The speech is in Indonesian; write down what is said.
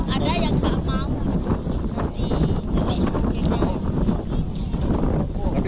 ada yang tidak mau nanti jengkel